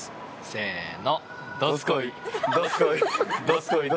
せーの。